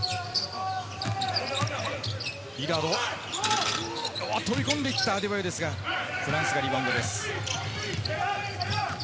リラード、飛び込んでいったアデバヨですがフランスがリバウンドです。